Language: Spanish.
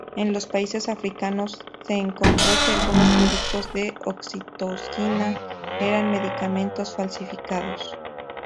En los países africanos, se encontró que algunos productos de oxitocina eran medicamentos falsificados.